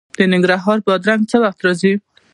د ننګرهار بادرنګ څه وخت راځي؟